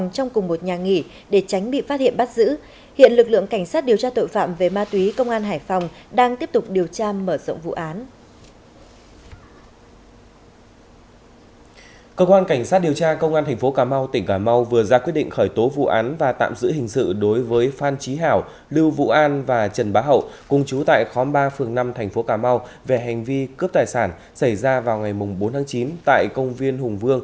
trong khi đó phòng cảnh sát điều tra tội phạm về ma túy công an tp hcm cũng đã triệt phá một đường dây mua bán trái phép chất ma túy